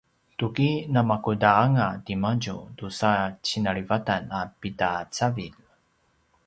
tuki namakudanga timadju tusa cinalivatan a pida cavilj?